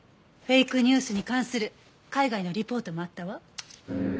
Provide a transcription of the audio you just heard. フェイクニュースに関する海外のリポートもあったわ。